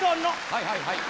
はいはいはい。